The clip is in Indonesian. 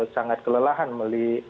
sangat kelelahan melalui